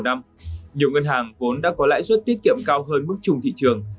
nhiều ngân hàng vốn đã có lãi suất tiết kiệm cao hơn mức chung thị trường